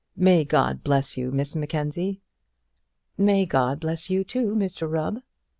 May God bless you, Miss Mackenzie!" "May God bless you, too, Mr Rubb!"